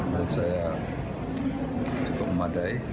menurut saya cukup memadai